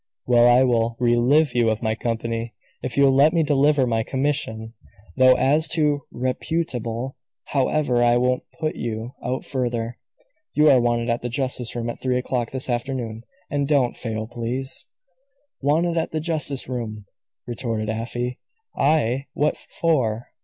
"Well, I will relieve you of my company, if you'll let me deliver my commission. Though, as to 'reputable' however, I won't put you out further. You are wanted at the justice room at three o'clock this afternoon. And don't fail, please." "Wanted at the justice room!" retorted Afy. "I! What for?"